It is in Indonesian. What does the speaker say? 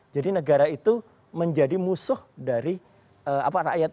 jadi negara itu menjadi musuh dari rakyat